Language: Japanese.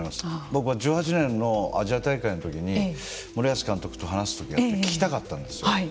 僕は１８年のアジア大会のときに森保監督と話す時があって聞きたかったんですよ。